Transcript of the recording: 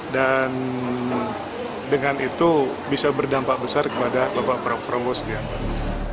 dan dengan itu bisa berdampak besar kepada bapak prabowo subianto